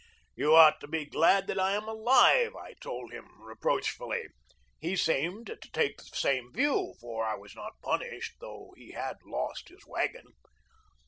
"You ought to be glad that I am alive I" I told him reproachfully. He seemed to take the same view, for I was not punished, though he had lost his wagon.